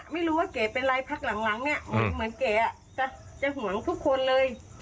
ไม่รู้ว่าเก่าเป็นอะไรพักหลังเหมือนเก่าจะหวังทุกคนเลย